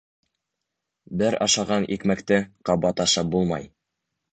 Бер ашаған икмәкте ҡабат ашап булмай.